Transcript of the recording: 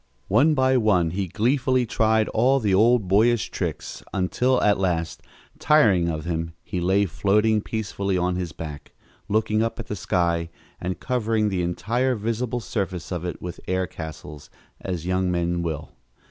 One by one he gleefully tried all the old boyish tricks until at last, tiring of them, he lay floating peacefully on his back, looking up at the sky and covering the entire visible surface of it with air castles, as young men will.